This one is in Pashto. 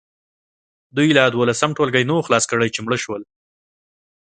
دوی لا دولسم ټولګی نه وو خلاص کړی چې مړه شول.